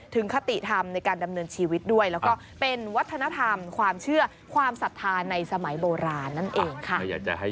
คติธรรมในการดำเนินชีวิตด้วยแล้วก็เป็นวัฒนธรรมความเชื่อความศรัทธาในสมัยโบราณนั่นเองค่ะ